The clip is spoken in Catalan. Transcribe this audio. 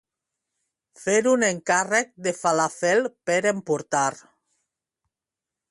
Fer un encàrrec de falàfel per emportar.